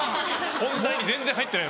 本題に全然入ってない。